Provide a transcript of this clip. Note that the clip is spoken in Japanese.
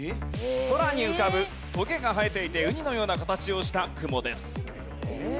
空に浮かぶトゲが生えていてウニのような形をした雲です。